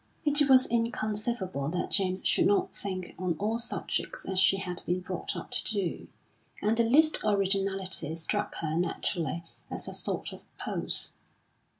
It was inconceivable that James should not think on all subjects as she had been brought up to do, and the least originality struck her naturally as a sort of pose.